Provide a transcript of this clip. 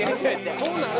そうなる？